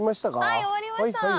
はい終わりました。